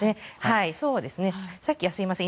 さっきはすみません。